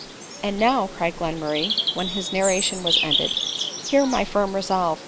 " And now," cried Glenmurray, when his narration was ended, " hear my firm resolve.